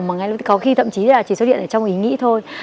mà ngay lập tức có khi thậm chí là chỉ xuất hiện ở trong ý nghĩa thôi